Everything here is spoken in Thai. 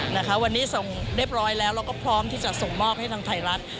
นะคะวันนี้ส่งเรียบร้อยแล้วแล้วก็พร้อมที่จะส่งมอบให้ทางไทยรัฐ